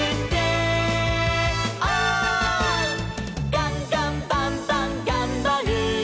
「ガンガンバンバンがんばる！」